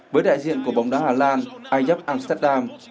với đại diện của bóng đá hà lan ayyab amsterdam